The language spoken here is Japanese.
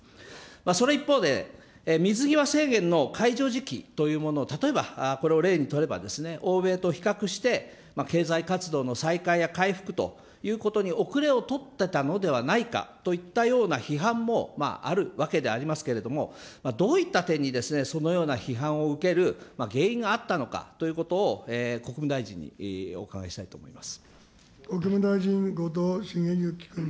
その一方で、水際制限の解除時期というもの、例えば、これを例にとればですね、欧米と比較して経済活動の再開や回復ということに後れを取ってたのではないかといったような批判もあるわけでありますけれども、どういった点にそのような批判を受ける原因があったのかということを国務大臣にお伺いしたいと思います。